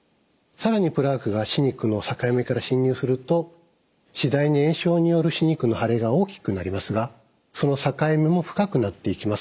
更にプラークが歯肉の境目から侵入すると次第に炎症による歯肉の腫れが大きくなりますがその境目も深くなっていきます。